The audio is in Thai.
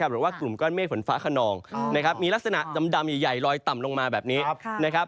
หรือว่ากลุ่มก้อนเมฆฝนฟ้าขนองมีลักษณะดำใหญ่ลอยต่ำลงมาแบบนี้นะครับ